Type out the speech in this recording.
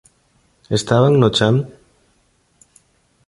Estaban no chan?